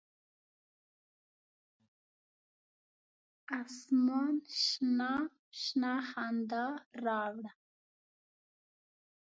اسمان شنه، شنه خندا راوړه